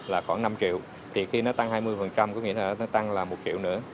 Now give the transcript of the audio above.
là khoảng năm triệu thì khi nó tăng hai mươi có nghĩa là nó tăng là một triệu nữa